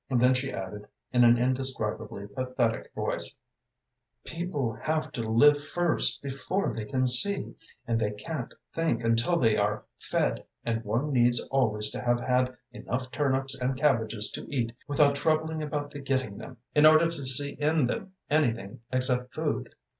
Then she added, in an indescribably pathetic voice, "People have to live first before they can see, and they can't think until they are fed, and one needs always to have had enough turnips and cabbages to eat without troubling about the getting them, in order to see in them anything except food."